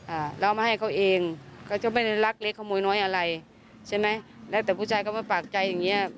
อ่าแล้วเอามาให้เขาเองเขาจะไม่ได้รักเล็กขโมยน้อยอะไรใช่ไหมแล้วแต่ผู้ชายเขามาปากใจอย่างเงี้ย